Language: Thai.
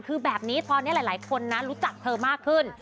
คือแบบนี้ตอนนี้หลายคนนะรู้จักเธอมากขึ้น